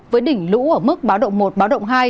với đỉnh lũ ở mức báo động một báo động hai